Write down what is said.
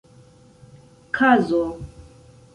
kazo